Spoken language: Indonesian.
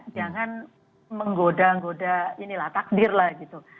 jangan menggoda ngoda inilah takdir lah gitu